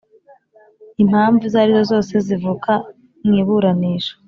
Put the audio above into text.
Impamvu izo arizo zose zivuka mu iburanisha